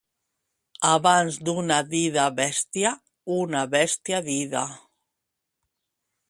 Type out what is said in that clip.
Abans d'una dida bèstia, una bèstia dida.